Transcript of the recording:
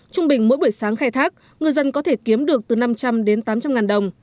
trung bình mỗi buổi sáng khai thác ngư dân có thể kiếm được từ năm trăm linh đến tám trăm linh ngàn đồng